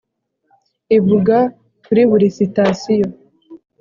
ivuga kuri buri sitasiyo.